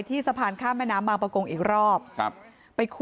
ก็ไม่สวยมากคือว่าคล้ายเป็นธรรมาน